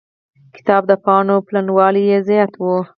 کتاب د پاڼو پلنوالی يې زيات و.